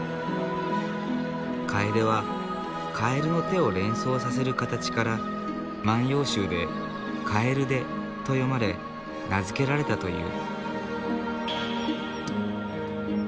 カエデはカエルの手を連想させる形から「万葉集」で「蛙手」と詠まれ名付けられたという。